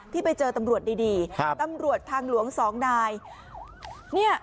ที่ไปเจอตำรวจดีตำรวจทางหลวง๒นาย